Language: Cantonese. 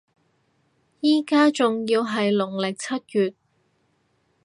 依家仲要係農曆七月